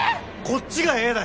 こっちが「えーっ！？」